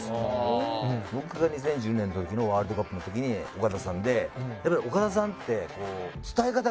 僕が２０１０年の時のワールドカップの時に岡田さんでやっぱり岡田さんって。